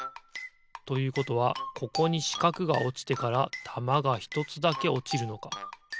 ということはここにしかくがおちてからたまがひとつだけおちるのか。